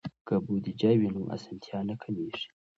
که بودیجه وي نو اسانتیا نه کمېږي.